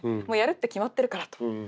もうやるって決まってるからと。